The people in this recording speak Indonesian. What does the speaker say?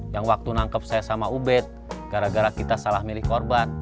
yang waktu nangkep saya sama ubed gara gara kita salah milih korban